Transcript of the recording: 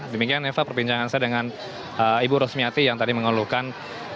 demikian eva perbincangan saya dengan ibu rosmiati yang tadi mengeluhkan